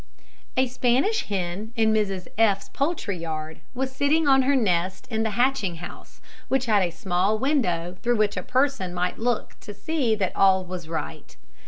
A Spanish hen, in Mrs F 's poultry yard, was sitting on her nest in the hatching house, which had a small window, through which a person might look to see that all was right.